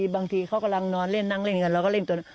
บางทีเขากำลังนอนเล่นนั่งเล่นกันเราก็เล่นตน